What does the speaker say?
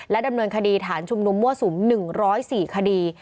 ดำเนินคดีฐานชุมนุมมั่วสุม๑๐๔คดี